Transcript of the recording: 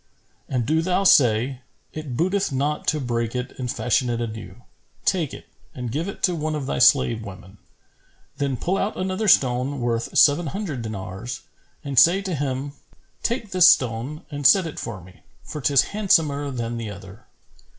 And do thou say, 'It booteth not to break it and fashion it anew. Take it and give it to one of thy slave women.' Then pull out another stone worth seven hundred dinars and say to him, 'Take this stone and set it for me, for 'tis handsomer than the other.'